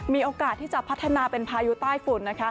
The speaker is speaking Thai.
มีโอกาสที่จะพัฒนาเป็นพายุใต้ฝุ่น